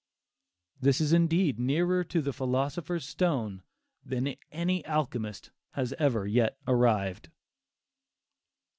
This is indeed nearer to the philosopher's stone than any alchemist has ever yet arrived.